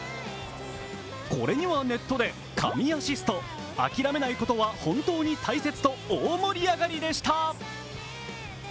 これにはネットで神アシスト、諦めないことは本当に大切と大盛り上がりでした。